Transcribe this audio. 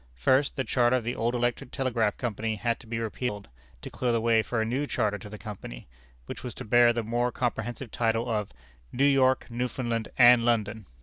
First, the charter of the old Electric Telegraph Company had to be repealed, to clear the way for a new charter to the Company, which was to bear the more comprehensive title of "New York, Newfoundland, and London."